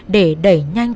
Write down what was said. để đẩy nhanh chóng